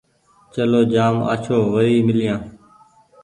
چلو جآم آڇو وري ميليآن ۔